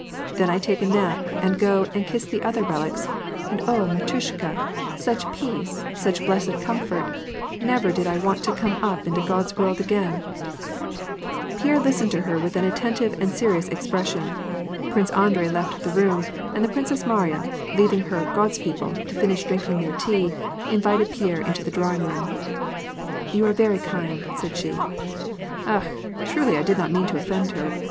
Then I take a nap and go and kiss the other relics, and oh mdiushka, such peace, such blessed comfort — never did I want to come up into God's world again !" Pierre listened to her with an attentive and serious expres sion. Prince Andrei left the room, and the Princess Mariya, leaving her " God's people " to finish drinking their tea, in vited Pierre into the drawing room. " You are very kind," said she. " Akh ! truly I did not mean to offend her